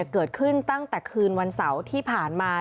เกิดขึ้นตั้งแต่คืนวันเสาร์ที่ผ่านมา